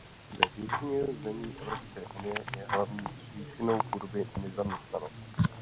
Ve většině zemí Evropské unie je hlavní příčinou chudoby nezaměstnanost.